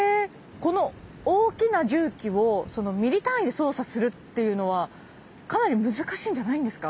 この大きな重機をミリ単位で操作するっていうのはかなり難しいんじゃないんですか？